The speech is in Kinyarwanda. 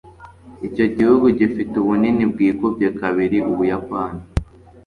icyo gihugu gifite ubunini bwikubye kabiri ubuyapani